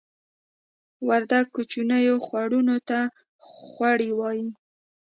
وردګ کوچنیو خوړونو ته خوړۍ وایې